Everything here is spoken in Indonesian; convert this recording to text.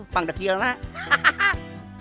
pang dekil mak